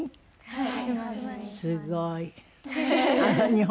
はい。